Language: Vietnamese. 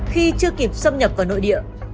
khi chưa kịp xâm nhập vào nội địa